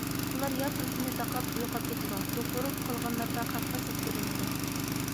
ئۇلار يا تېلېفوننى تاقاپ،« يوقاپ كېتىدۇ»، دوقۇرۇپ قالغانلىرىدا خەققە سەت كۆرۈنىدۇ.